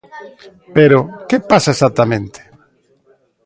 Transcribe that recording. _Pero, ¿que pasa exactamente?